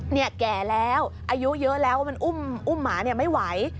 เนี่ยแก่แล้วอายุเยอะแล้วมันอุ้มหมาไม่ไหว